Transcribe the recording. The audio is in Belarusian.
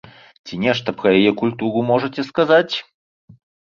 Ці нешта пра яе культуру можаце сказаць?